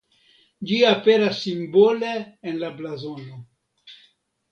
Ĝi aperas simbole en la blazono.